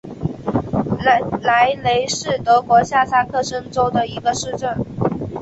莱雷是德国下萨克森州的一个市镇。